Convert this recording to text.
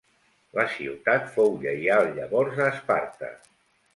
La ciutat fou lleial llavors a Esparta.